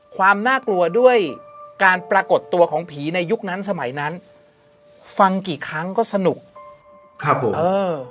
ความน่ากลัวด้วยการปรากฏตัวของผีในยุคนั้นสมัยนั้นฟังกี่ครั้งก็สนุกครับผมเออ